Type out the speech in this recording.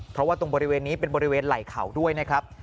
เพราะว่าตรงบริเวณนี้เป็นบริเวณไหล่เขาด้วยนะครับ